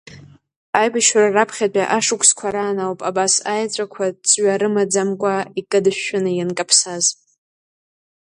Аибашьра раԥхьатәи ашықәсқәа раан ауп абас аеҵәақәа ҵҩа рымаӡамкәа икыдышәшәаны ианкаԥсаз…